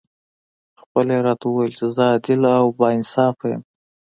خپله یې راته وویل چې زه عادل او با انصافه یم.